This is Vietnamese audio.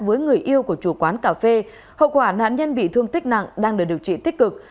với người yêu của chủ quán cà phê hậu quả nạn nhân bị thương tích nặng đang được điều trị tích cực